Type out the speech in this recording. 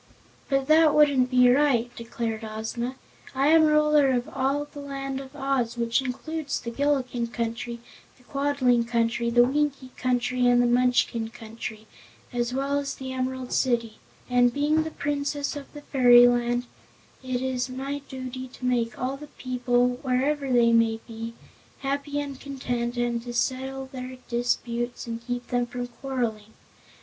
"But that wouldn't be right," declared Ozma. "I am Ruler of all the Land of Oz, which includes the Gillikin Country, the Quadling Country, the Winkie Country and the Munchkin Country, as well as the Emerald City, and being the Princess of this fairyland it is my duty to make all my people wherever they may be happy and content and to settle their disputes and keep them from quarreling.